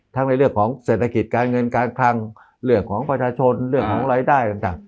ในเรื่องของเศรษฐกิจการเงินการคลังเรื่องของประชาชนเรื่องของรายได้ต่าง